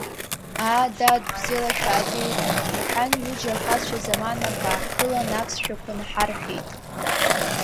Аа, дад бзиала шәаабеит, — рҳәан ҩыџьа ахацәа заманақәа ааҳԥылан аԥсшәақәа наҳарҳәеит.